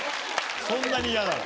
そんなに嫌なら。